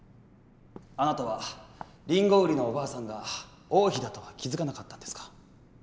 あなたはリンゴ売りのおばあさんが王妃だとは気付かなかったんですか？